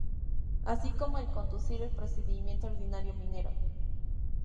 Así como el conducir el Procedimiento Ordinario Minero.